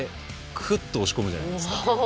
くっと押し込むじゃないですか。